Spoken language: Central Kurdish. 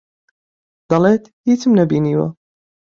دەڵێت هیچم نەبینیوە.